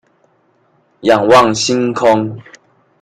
仰望星空